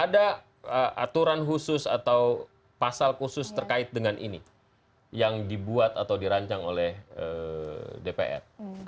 ada aturan khusus atau pasal khusus terkait dengan ini yang dibuat atau dirancang oleh dpr